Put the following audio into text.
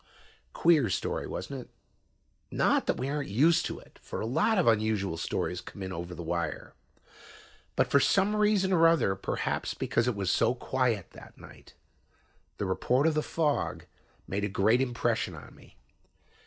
Queer story, wasn't it. Not that we aren't used to it, for a lot of unusual stories come in over the wire. But for some reason or other, perhaps because it was so quiet that night, the report of the fog made a great impression on me.